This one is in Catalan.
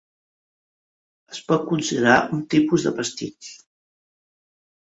Es pot considerar un tipus de pastitx.